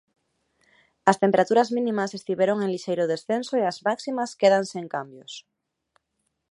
As temperaturas mínimas estiveron en lixeiro descenso e as máximas quedan sen cambios.